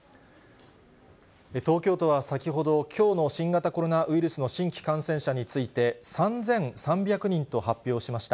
東京都は先ほど、きょうの新型コロナウイルスの新規感染者について、３３００人と発表しました。